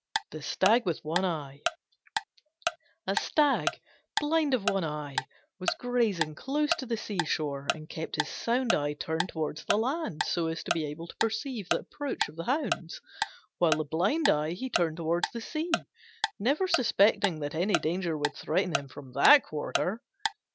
THE STAG WITH ONE EYE A Stag, blind of one eye, was grazing close to the sea shore and kept his sound eye turned towards the land, so as to be able to perceive the approach of the hounds, while the blind eye he turned towards the sea, never suspecting that any danger would threaten him from that quarter.